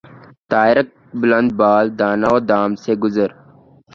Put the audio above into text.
طائرک بلند بال دانہ و دام سے گزر